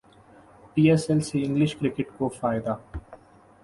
پی S L سے English cricket کو فائدہ